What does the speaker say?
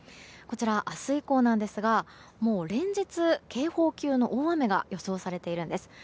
明日以降なんですが連日、警報級の大雨が予想されているんです。